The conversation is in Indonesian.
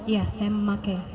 ya saya memakai